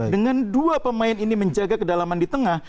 dengan dua pemain ini menjaga kedalaman di tengah